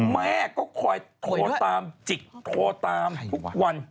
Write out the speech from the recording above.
แม่ก็คอยโทรตามจิกโทรตามทุกวัน